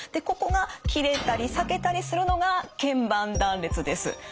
ここが切れたり裂けたりするのが腱板断裂です。